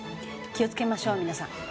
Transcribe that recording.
気を付けましょう皆さん。